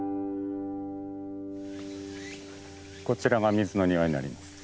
こちらが水の庭になります。